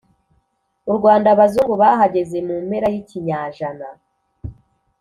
u rwanda abazungu bahageze mu mpera y'ikinyajana